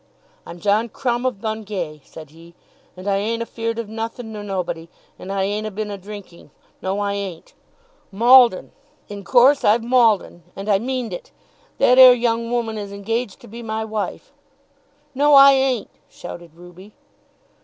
"I'm John Crumb of Bungay," said he, "and I ain't afeared of nothin' nor nobody. And I ain't a been a drinking; no, I ain't. Mauled 'un! In course I've mauled 'un. And I meaned it. That ere young woman is engaged to be my wife." "No, I ain't," shouted Ruby.